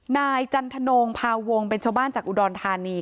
นายจันทนงพาวงเป็นชาวบ้านจากอุดรธานี